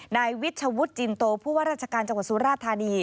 นายวิชวุฒิจินโตผู้ว่าราชการจังหวัดสุราธานี